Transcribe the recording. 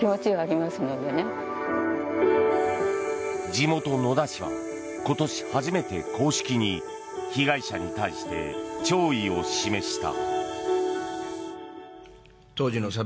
地元・野田市は今年初めて公式に被害者に対して弔意を示した。